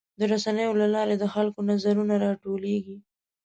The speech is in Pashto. د رسنیو له لارې د خلکو نظرونه راټولیږي.